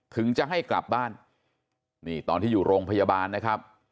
ถึงจะให้กลับบ้านนี่ตอนที่อยู่โรงพยาบาลนะครับ